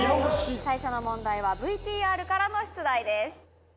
最初の問題はＶＴＲからの出題です。